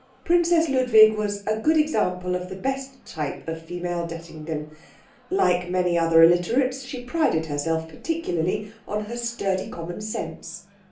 Princess Ludwig was a good example of the best type of female Dettingen. Like many other illiterates, she prided herself particularly on her sturdy common sense.